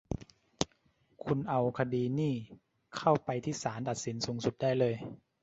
คุณเอาคดีนี่เข้าไปที่ศาลตัดสินสูงสุดได้เลย